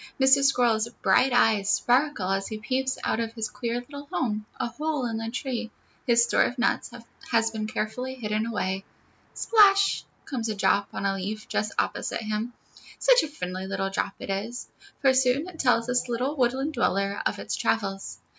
Mr. Squirrel's bright eyes sparkle as he peeps out of his queer little home, a hole in the tree; his store of nuts has been carefully hidden away. Splash comes a drop on a leaf just opposite him. Such a friendly little drop it is, for soon it tells this little woodland dweller of all its travels.